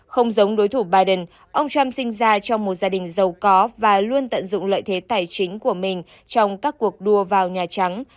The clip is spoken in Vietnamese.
không giống đối thủ biden ông trump sinh ra trong một gia đình giàu có và luôn tận dụng lợi thế tài chính của mình trong các cuộc đua vào nhà trắng